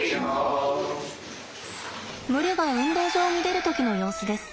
群れが運動場に出る時の様子です。